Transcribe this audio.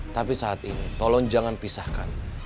tapi saat ini tolong jangan pisahkan